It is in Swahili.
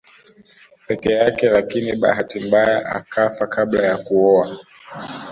Peke yake lakini bahati mbaya akafa kabla ya kuoa